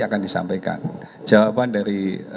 akan disampaikan jawaban dari